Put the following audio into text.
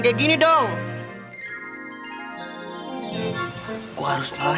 eh lu mau kemana